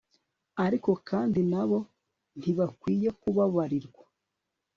ariko kandi na bo ntibakwiye kubabarirwa